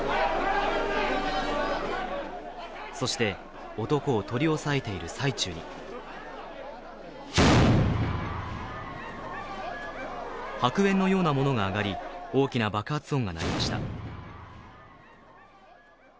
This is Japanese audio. そして、男を取り押さえている最中に白煙のようなものが上がり、大きな爆発音が鳴りました。